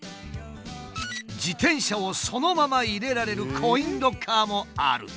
自転車をそのまま入れられるコインロッカーもある！